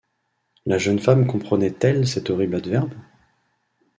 La jeune femme comprenait-elle cet horrible adverbe ?